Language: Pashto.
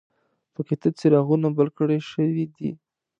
په کې تت څراغونه بل کړل شوي دي.